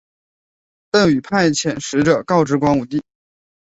邓禹派遣使者告知光武帝。